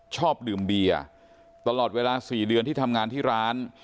ชอบดื่มเบียร์ตลอดเวลา๔เดือนที่ทำงานที่ร้าน